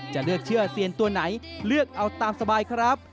จะเลือกเชื่อเซียนตัวไหนเลือกเอาตามสบายครับ